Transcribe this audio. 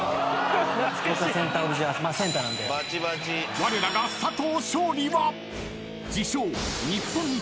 ［われらが佐藤勝利は］